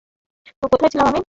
তো, কোথায় ছিলাম আমি?